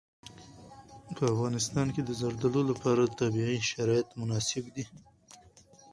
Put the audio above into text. په افغانستان کې د زردالو لپاره طبیعي شرایط مناسب دي.